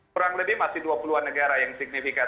kurang lebih masih dua puluh an negara yang signifikan